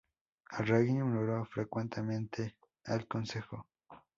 El rey ignoró frecuentemente al consejo.